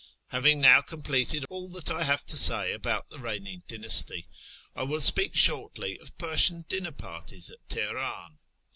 Having now completed all that I have to say about the reigning dynasty, I will speak shortly of Persian dinner parties at Teheran.